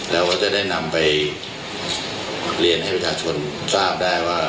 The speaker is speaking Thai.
เราก็จะได้นำไปเรียนให้ประชาชนทราบได้ว่า